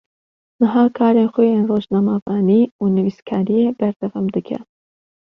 Niha karên xwe yên rojnamevanî û nivîskariyê berdewam dike.